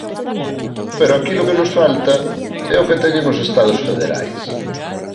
Pero aquilo que nos falta é o que teñen os Estados federais.